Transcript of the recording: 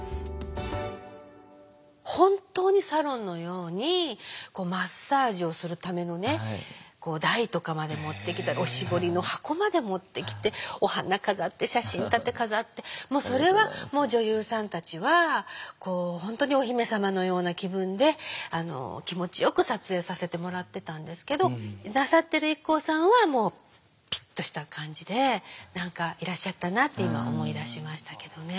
本当にサロンのようにマッサージをするためのね台とかまで持ってきておしぼりの箱まで持ってきてお花飾って写真立て飾ってもうそれは女優さんたちは本当になさってるＩＫＫＯさんはピッとした感じで何かいらっしゃったなって今思い出しましたけどね。